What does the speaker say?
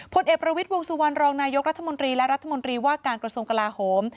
ผลเอกประวิทย์วงสุวรรณรองนายกรัฐมนตรีและรัฐมนตรีว่าการกระทรวงกลาโหม